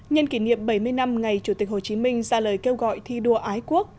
nhân kỷ niệm bảy mươi năm ngày chủ tịch hồ chí minh ra lời kêu gọi thi đua ái quốc